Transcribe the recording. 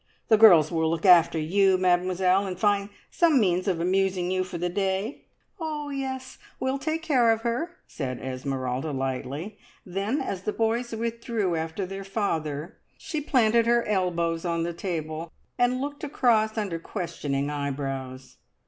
The girls will look after you, Mademoiselle, and find some means of amusing you for the day." "Oh yes, we'll take care of her!" said Esmeralda lightly; then, as the boys withdrew after their father, she planted her elbows on the table and looked across under questioning eyebrows.